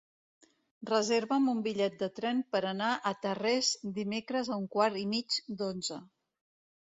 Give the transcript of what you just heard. Reserva'm un bitllet de tren per anar a Tarrés dimecres a un quart i mig d'onze.